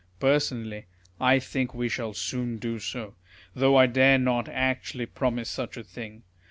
Personally, I think we shall soon do so ; though I dare not actually promise such a thing.